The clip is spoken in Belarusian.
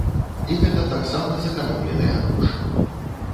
І гэта таксама зэканомленыя грошы.